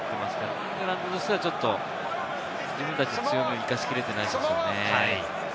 イングランドとしては自分たちの強みを生かしきれてないですね。